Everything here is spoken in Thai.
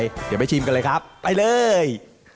เดี๋ยวไปชิมกันเลยครับไปเลย